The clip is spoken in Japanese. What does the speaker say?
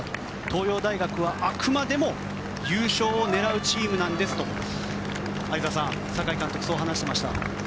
東洋大学はあくまでも優勝を狙うチームなんですと酒井監督はそう話していました。